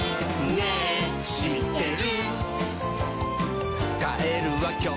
「ねぇしってる？」